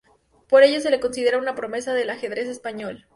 Por ello se le considera una promesa del ajedrez español.